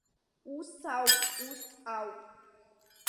Ус ауп, ус ауп!